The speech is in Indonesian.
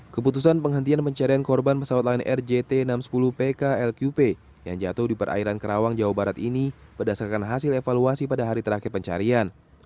keputusan penghentian pencarian korban pesawat lain rjt enam ratus sepuluh pklqp yang jatuh di perairan kerawang jawa barat ini berdasarkan hasil evaluasi pada hari terakhir pencarian